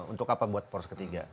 untuk apa buat poros ketiga